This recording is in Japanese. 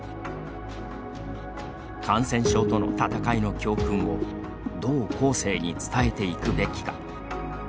感染症との闘いの教訓をどう後世に伝えていくべきか。